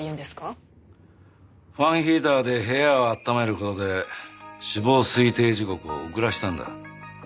ファンヒーターで部屋を暖める事で死亡推定時刻を遅らせたんだ。